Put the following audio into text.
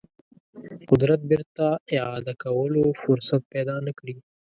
قدرت بیرته اعاده کولو فرصت پیدا نه کړي.